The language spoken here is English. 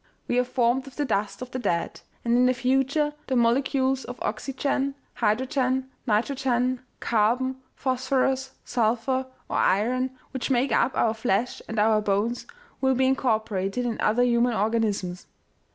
We are formed of the dust of the dead, and, in the future, the molecules of oxygen, hydrogen, nitrogen, carbon, phosphorus, sulphur, or iron, which make up our flesh and our bones, will be incorporated in other human organisms.